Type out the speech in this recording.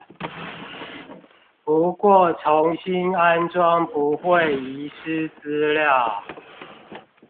不過重新安裝不會遺失資料